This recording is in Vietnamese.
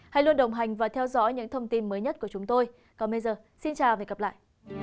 hãy luôn đồng hành và theo dõi những thông tin mới nhất của chúng tôi còn bây giờ xin chào và hẹn gặp lại